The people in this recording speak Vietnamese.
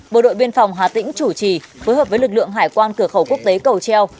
bộ đội biên phòng hà tĩnh chủ trì phối hợp với lực lượng hải quan cửa khẩu quốc tế cầu treo